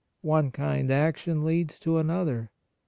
One kind action leads to another.